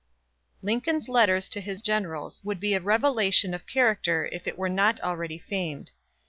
Lincoln's letters to his generals would be a revelation of character if it were not already famed.